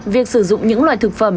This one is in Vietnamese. việc sử dụng những loại thực phẩm